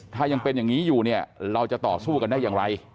ถ้ายังเป็นอย่างนี้อยู่เนี่ยเราจะต่อสู้กันได้อย่างไร